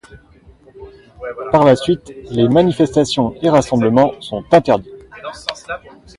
Par la suite, les manifestations et rassemblements sont interdits.